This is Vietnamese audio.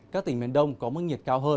các tỉnh miền đông có mức nhiệt cao hơn